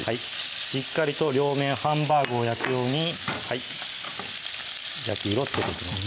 しっかりと両面ハンバーグを焼くように焼き色をつけていきます